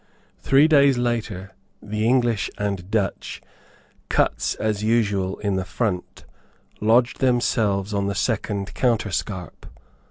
Three days later, the English and Dutch, Cutts, as usual, in the front, lodged themselves on the second counterscarp.